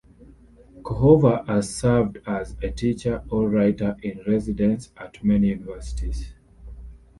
Coover has served as a teacher or writer in residence at many universities.